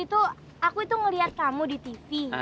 itu aku itu ngeliat kamu di tv